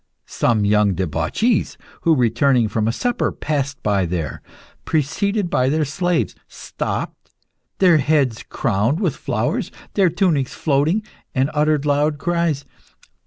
Some young debauchees, who, returning from a supper, passed by there, preceded by their slaves, stopped, their heads crowned with flowers, their tunics floating, and uttered loud cries.